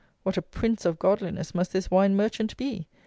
What a prince of godliness must this wine merchant be!